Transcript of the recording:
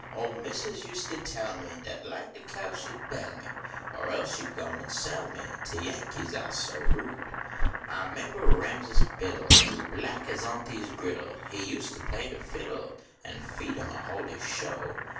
38 ()! missus used to tell me Dat like de cows she d bell me, Or else she d done go sell me To Yankees, Ise so rude. I membah Rasmus Diddle, As black as auntie s griddle ; He used to play de fiddle, An feet ! umh ! a holy show.